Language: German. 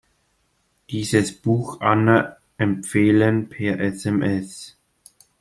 Dieses Buch Anna empfehlen, per SMS.